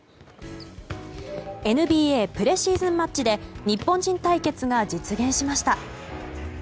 ＮＢＡプレシーズンマッチで日本人対決が実現しました。